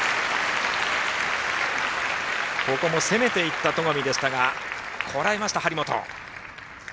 ここも攻めていった戸上でしたがこらえました、張本。